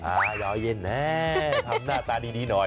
อ่าเดี๋ยวเอาเย็นแน่ทำหน้าตาดีหน่อย